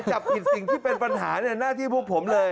จับผิดสิ่งที่เป็นปัญหาในหน้าที่พวกผมเลย